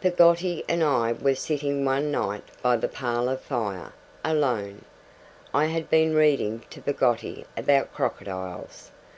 Peggotty and I were sitting one night by the parlour fire, alone. I had been reading to Peggotty about crocodiles.